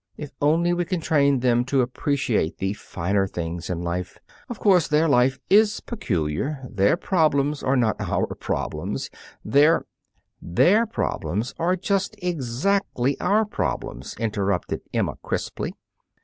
If only we can train them to appreciate the finer things in life. Of course, their life is peculiar. Their problems are not our problems; their " "Their problems are just exactly our problems," interrupted Emma crisply.